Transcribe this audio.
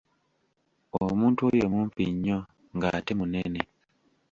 Omuntu oyo mumpi nnyo ng'ate munene